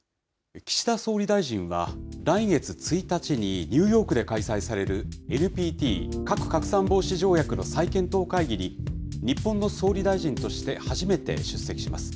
岸田総理大臣は、来月１日にニューヨークで開催される、ＮＰＴ・核拡散防止条約の再検討会議に日本の総理大臣として初めて出席します。